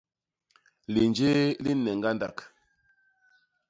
Linjéé li nne ñgandak.